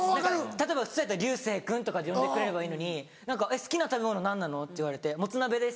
例えば流星君とかで呼んでくれればいいのに「好きな食べ物何なの？」って言われて「もつ鍋です」。